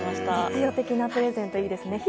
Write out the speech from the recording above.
実用的なプレゼントいいですね。